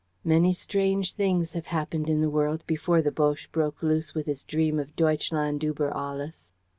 Many strange things have happened in the world before the Boche broke loose with his dream of 'Deutschland über Alles.'